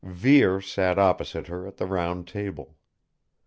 Vere sat opposite her at the round table.